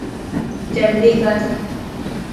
جلدي ڪر